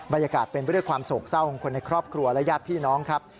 บรรยากาศเป็นไปด้วยความโศกเศร้าของคนในครอบครัวและญาติพี่น้องครับ